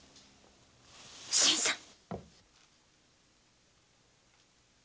新さん。